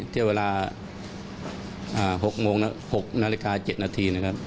เท่าเวลา๖นาฬิกา๗นาที